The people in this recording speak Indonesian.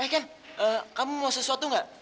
eh ken kamu mau sesuatu gak